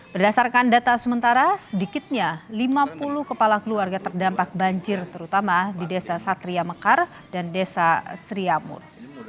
berdasarkan data sementara sedikitnya lima puluh kepala keluarga terdampak banjir terutama di desa satria mekar dan desa sriamun